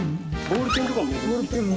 ボールペンとかも。